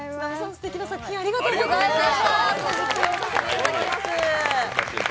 すてきな作品ありがとうございました。